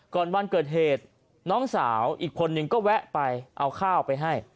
วันเกิดเหตุน้องสาวอีกคนนึงก็แวะไปเอาข้าวไปให้